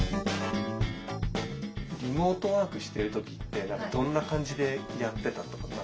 リモートワークしてる時ってどんな感じでやってたとか？